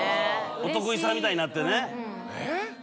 お得意さんみたいになってね。